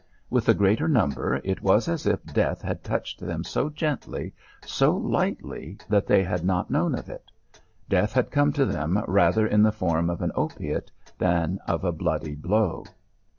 With the greater number it was as if death had touched them so gently, so lightly, that they had not known of it. Death had come to them rather in the form of an opiate than of a bloody blow.